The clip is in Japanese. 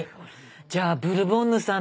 じゃあブルボンヌさん